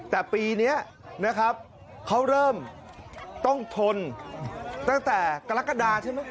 แต่ปีนี้นะครับเขาเริ่มต้องทนตั้งแต่กรกฎาใช่ไหม